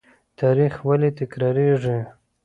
تاریخ ولې تکراریږي؟